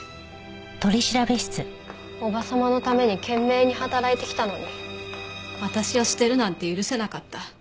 叔母様のために懸命に働いてきたのに私を捨てるなんて許せなかった。